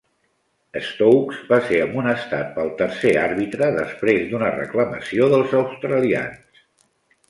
Stokes va ser amonestat pel tercer àrbitre després d'una reclamació dels australians.